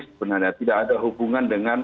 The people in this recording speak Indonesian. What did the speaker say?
sebenarnya tidak ada hubungan dengan